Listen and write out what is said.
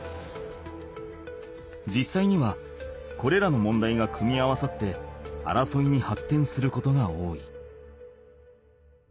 じっさいにはこれらの問題が組み合わさって争いにはってんすることが多い。